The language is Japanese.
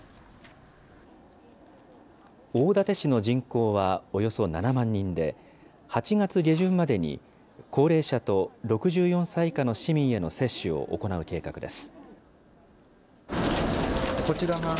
大館市の人口はおよそ７万人で、８月下旬までに高齢者と６４歳以下の市民への接種を行う計画です。